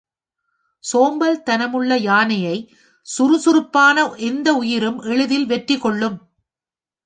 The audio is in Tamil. சோம்பல் தனமுள்ள யானையை சுறுசுறுப் பான எந்த உயிரும் எளிதில் வெற்றி கொள்ளும்.